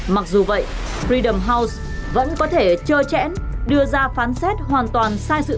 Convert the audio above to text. mặc dù vậy freedom house vẫn có thể chơi chẽn đưa ra phán xét hoàn toàn